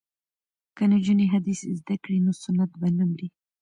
که نجونې حدیث زده کړي نو سنت به نه مري.